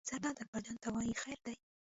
زرداد اکبر جان ته وایي: خیر دی.